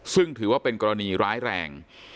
ซึ่งถือว่าเป็นกรณีร้ายแรง